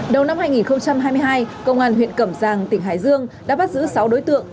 đầu năm hai nghìn hai mươi hai công an huyện cẩm giang tỉnh hải dương đã bắt giữ sáu đối tượng